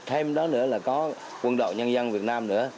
thêm đó nữa là có quân đội nhân dân việt nam nữa